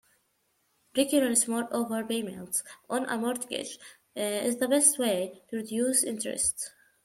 Regular small overpayment's on a mortgage is the best way to reduce interest.